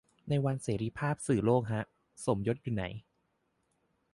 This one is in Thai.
วันเสรีภาพสื่อโลกฮะ สมยศอยู่ไหน